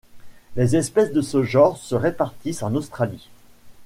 Les espèces de ce genre se répartissent en Australie.